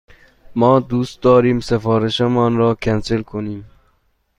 ما دوست داریم سفارش مان را کنسل کنیم.